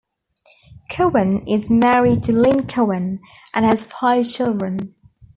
Cohen is married to Lynn Cohen and has five children.